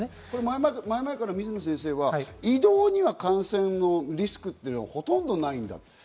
前々から水野先生は移動には感染のリスクはほとんどないんだ。